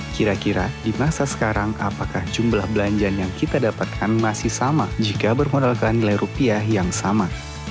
kira kira di masa sekarang apakah jumlah belanjaan yang kita dapatkan masih sama jika bermodalkan nilai rupiah yang sama